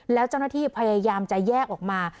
แล้วเจ้าหน้าที่พยายามจะแยกออกมา